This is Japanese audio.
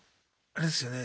あれですよね